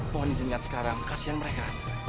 mohon ditingkat sekarang kasihan mereka